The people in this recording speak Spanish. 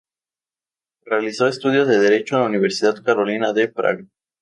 Realizó estudios de Derecho en la Universidad Carolina de Praga.